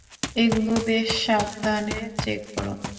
এগুলো বেশ সাবধানে চেক করো!